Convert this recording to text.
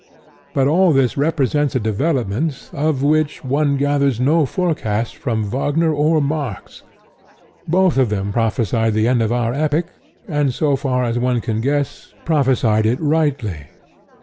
But all this represents a development of which one gathers no forecast from Wagner or Marx. Both of them prophesied the end of our epoch, and, so far as one can guess, prophesied it rightly.